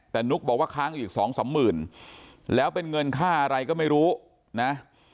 แต่นุ๊กบอกว่าค้างอีกสองสามหมื่นแล้วเป็นเงินค่าอะไรก็ไม่รู้นะ